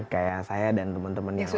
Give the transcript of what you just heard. kayak saya dan teman teman yang lain